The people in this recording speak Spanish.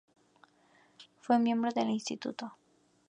Fue miembro del Instituto.